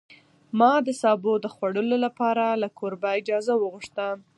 ما د سابو د خوړلو لپاره له کوربه اجازه وغوښته.